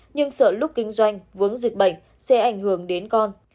nhưng sợ lúc kinh doanh vướng dịch bệnh sẽ ảnh hưởng đến con